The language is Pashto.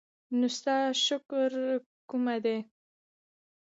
نو ستا شکر کومه دی؟